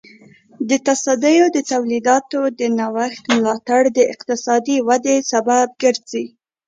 د تصدیو د تولیداتو د نوښت ملاتړ د اقتصادي ودې سبب ګرځي.